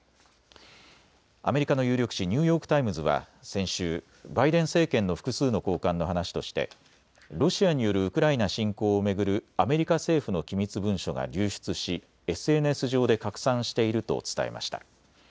アメリカの有力紙、ニューヨーク・タイムズは先週、バイデン政権の複数の高官の話としてロシアによるウクライナ侵攻を巡るアメリカ政府の機密文書が流出しＳＮＳ上で拡散していると伝えました。